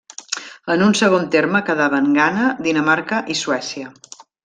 En un segon terme, quedaven Ghana, Dinamarca i Suècia.